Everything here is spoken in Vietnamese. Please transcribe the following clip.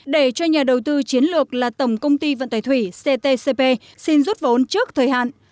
để cho nhà đầu tư chiến lược là tổng công ty vận tải thủy ctcp xin rút vốn trước thời hạn